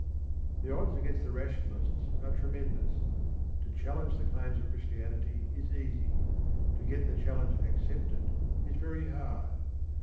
The odds against the Rationalists are tremendous. To challenge the claims of Christianity is easy: to get the challenge accepted is very hard.